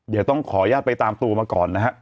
เดี๋ยวต้องขออนุญาตไปตามตัวมาก่อนนะฮะ